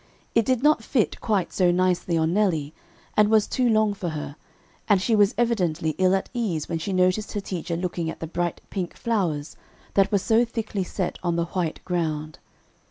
It did not fit quite so nicely on Nelly, and was too long for her, and she was evidently ill at ease when she noticed her teacher looking at the bright pink flowers that were so thickly set on the white ground.